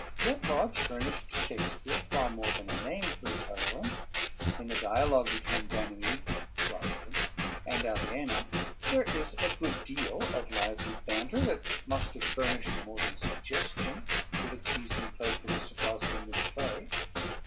Yet Lodge furnished to Shakespeare far more than a name for his heroine. In the dialogue between Ganymede (Rosalynde) and Aliena there is a good deal of lively banter that must have furnished more than a suggestion for the teasing playfulness of Rosalind in the play.